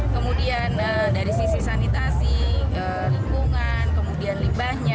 kemudian dari sisi sanitasi lingkungan kemudian limbahnya